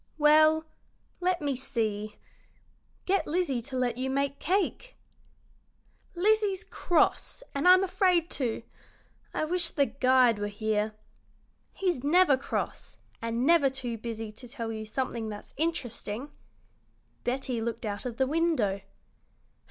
"Well, let me see get Lizzie to let you make cake." "Lizzie's cross, and I'm afraid to. I wish the guide were here. He's never cross, and never too busy to tell you something that's interesting." Betty looked out of the window.